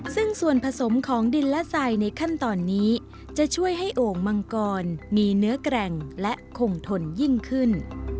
ซึ่งส่วนผสมของดินและทรายในขั้นตอนนี้จะช่วยให้โอ่งมังกรมีเนื้อแกร่งและคงทนยิ่งขึ้น